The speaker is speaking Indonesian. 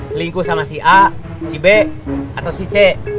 selingkuh sama si a si b atau si c